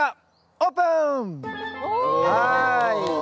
はい。